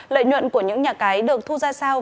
lợi nhuận của những nhà cái được thu ra sao